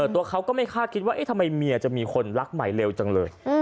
ตัวเขาก็ไม่คาดคิดว่าทำไมเมียจะมีคนรักใหม่เร็วจังเลย